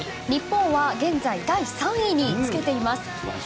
日本は現在第３位につけています。